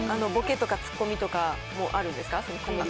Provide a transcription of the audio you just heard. それはボケとかツッコミとかもあるんですか。